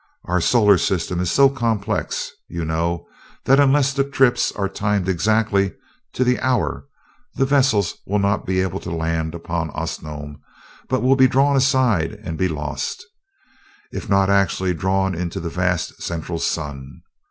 Our solar system is so complex, you know, that unless the trips are timed exactly, to the hour, the vessels will not be able to land upon Osnome, but will be drawn aside and be lost, if not actually drawn into the vast central sun.